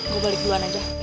gue balik duluan aja